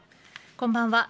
こんばんは。